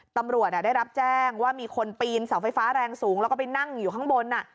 ตำรวจได้รับแจ้งว่ามีคนปีนเสาไฟฟ้าแรงสูงแล้วก็ไปนั่งอยู่ข้างบน